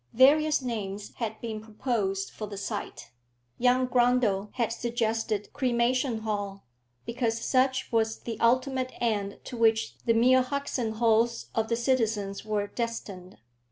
Various names had been proposed for the site. Young Grundle had suggested Cremation Hall, because such was the ultimate end to which the mere husks and hulls of the citizens were destined.